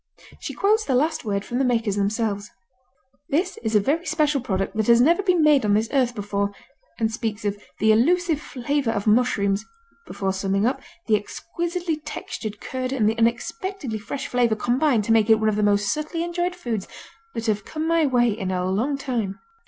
She quotes the last word from the makers themselves: "This is a very special product that has never been made on this earth before," and speaks of "the elusive flavor of mushrooms" before summing up, "the exquisitely textured curd and the unexpectedly fresh flavor combine to make it one of the most subtly enjoyable foods that have come my way in a long time."